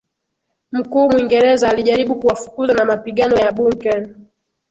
mkuu Mwingereza alijaribu kuwafukuza na mapigano ya Bunker